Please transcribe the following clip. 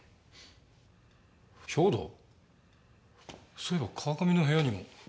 そういえば川上の部屋にも。